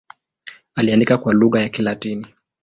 Aliandika kwa lugha ya Kilatini.